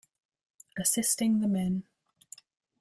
Assisting the Min.